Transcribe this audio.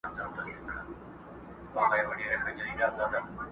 چي د بخت ستوری مو کله و ځلېږې.